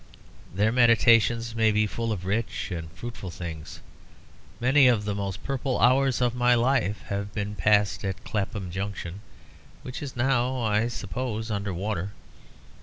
Their meditations may be full of rich and fruitful things. Many of the most purple hours of my life have been passed at Clapham Junction, which is now, I suppose, under water.